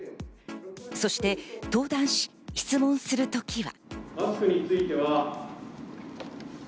そして登壇し、質問する時は。